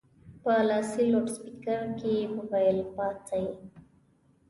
په لاسي لوډسپیکر کې یې وویل پاڅئ.